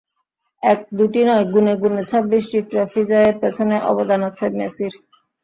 এক-দুটি নয়, গুণে গুণে ছাব্বিশটি ট্রফি জয়ের পেছনে অবদান আছে মেসির।